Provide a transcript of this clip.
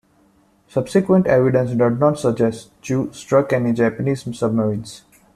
Subsequent evidence does not suggest "Chew" struck any Japanese submarines.